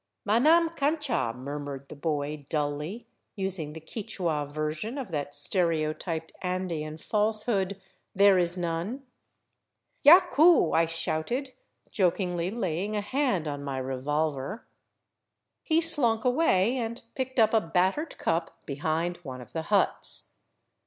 " Manam cancha," murmured the boy dully, using the Quichua ver sion of that stereotyped Andean falsehood, " There is none." "Yacul" I shouted, jokingly laying a hand on my revolver. 365 VAGABONDING DOWN THE ANDES He slunk away, and picked up a battered cup behind one of the huts.